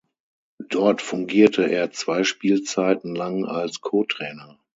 Dort fungierte er zwei Spielzeiten lang als Co-Trainer.